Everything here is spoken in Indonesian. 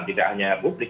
tidak hanya publik